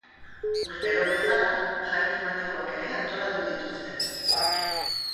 Urtero bezala, jai tematikoak ere antolatu dituzte.